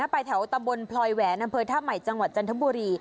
ไปแถวตำบลพลอยแหวนอำเภอท่าใหม่จังหวัดจันทบุรี